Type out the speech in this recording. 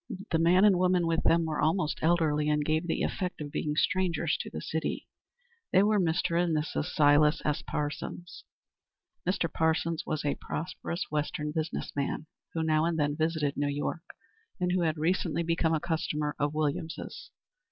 The man and woman with them were almost elderly and gave the effect of being strangers to the city. They were Mr. and Mrs. Silas S. Parsons. Mr. Parsons was a prosperous Western business man, who now and then visited New York, and who had recently become a customer of Williams's.